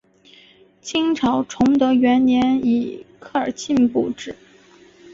清朝崇德元年以科尔沁部置。